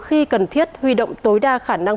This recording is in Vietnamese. khi cần thiết huy động tối đa khả năng